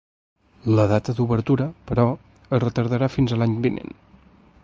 La data d’obertura, però, es retardarà fins a l’any vinent.